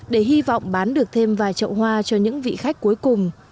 để hy vọng bán được thêm vài trậu hoa cho những vị khách cuối cùng